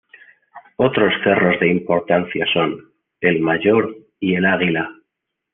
Otros cerros de importancia son: el Mayor y el Águila.